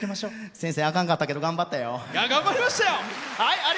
先生、あかんかったけど頑張ったよ！